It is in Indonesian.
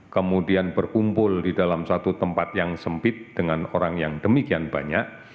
kemudian berkumpul di dalam satu tempat yang sempit dengan orang yang demikian banyak